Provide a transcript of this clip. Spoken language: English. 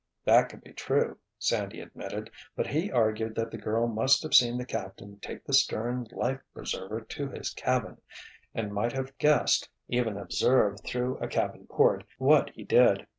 That could be true, Sandy admitted. But he argued that the girl must have seen the captain take the stern life preserver to his cabin, and might have guessed, even observed through a cabin port, what he did.